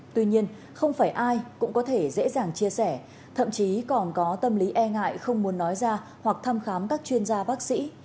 tuy nhiên không phải ai cũng có thể dễ dàng chia sẻ thậm chí còn có tâm lý e ngại không muốn nói ra hoặc thăm khám các chuyên gia bác sĩ